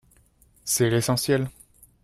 C’est l’essentiel